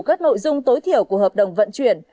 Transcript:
các nội dung tối thiểu của hợp đồng vận chuyển